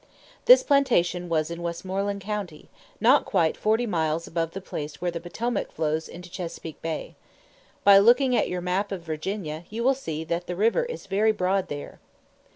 This plantation was in Westmoreland county, not quite forty miles above the place where the Potomac flows into Chesapeake Bay. By looking at your map of Virginia, you will see that the river is very broad there.